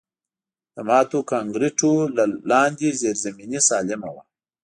د ماتو کانکریټونو لاندې زیرزمیني سالمه وه